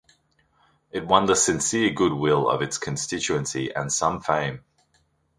It won the sincere good will of its constituency and some fame.